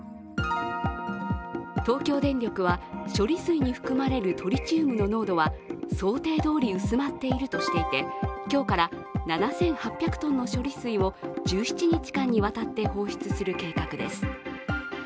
東京電力は処理水に含まれるトリチウムの濃度は想定どおり薄まっているとしていて、今日から７８００ｔの処理水を１７日間にわたって放出する計画です。